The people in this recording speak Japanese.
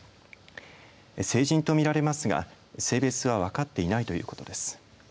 成人とみられますが性別は分かっていないということです。